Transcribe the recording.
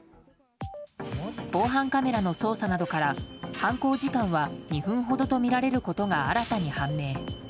防犯カメラの捜査などから犯行時間は２分ほどとみられることが新たに判明。